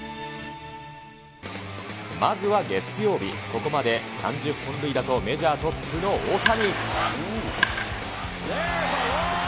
まずは月曜日、ここまで３０本塁打と、メジャートップの大谷。